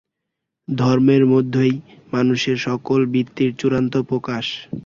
ধর্মের মধ্যেই মানুষের সফল বৃত্তির চূড়ান্ত প্রকাশ।